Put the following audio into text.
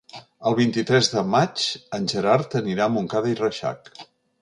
El vint-i-tres de maig en Gerard anirà a Montcada i Reixac.